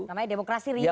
namanya demokrasi ringan ya